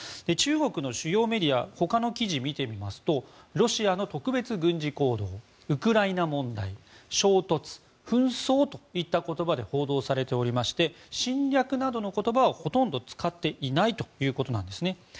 中国の主要メディアの他の記事を見てみますとロシアの特別軍事行動ウクライナ問題衝突、紛争といった言葉で報道されておりまして侵略などの言葉は、ほとんど使っていないということです。